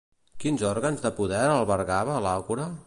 Quins òrgans de poder albergava l'Àgora?